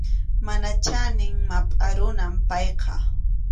Mana chanin mapʼa runam payqa.